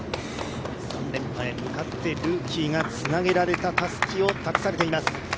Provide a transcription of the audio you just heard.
３連覇へ向かってルーキーがつなげられたたすきを託されています。